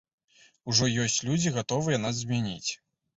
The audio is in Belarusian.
Ужо ёсць людзі, гатовыя нас змяніць.